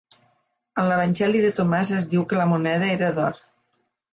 En l'evangeli de Tomàs es diu que la moneda era d'or.